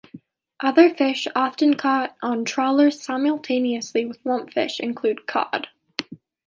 Other fish often caught on trawlers simultaneously with lumpfish include cod.